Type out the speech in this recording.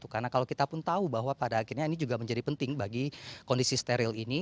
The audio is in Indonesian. karena kalau kita pun tahu bahwa pada akhirnya ini juga menjadi penting bagi kondisi steril ini